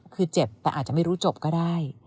คือเจ็บแต่อาจจะไม่รู้จบก็ได้